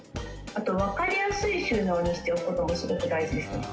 あとわかりやすい収納にしておく事もすごく大事ですね。